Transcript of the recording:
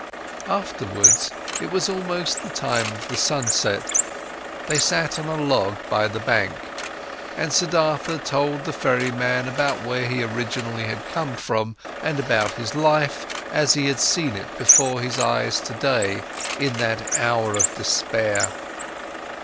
Afterwards, it was almost the time of the sunset, they sat on a log by the bank, and Siddhartha told the ferryman about where he originally came from and about his life, as he had seen it before his eyes today, in that hour of despair.